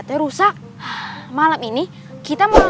tak seling mandi